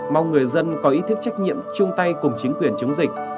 mong người dân có ý thức trách nhiệm chung tay cùng chính quyền chống dịch